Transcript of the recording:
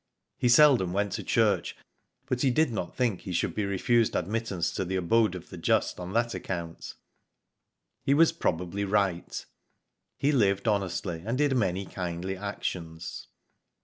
He seldom went to church, but he did not think he should be refused admittance to the abode of the just on that account. He was probably right. He lived honestly and did many kindly actions.